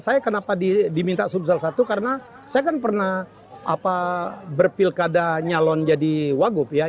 saya kenapa diminta sumsel satu karena saya kan pernah berpilkada nyalon jadi wagup ya